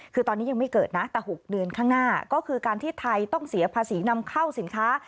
คือตอนนี้ยังไม่เกิดนะแต่๖เดือนข้างหน้าก็คือการที่ไทยต้องเสียภาษีนำเข้าสินค้า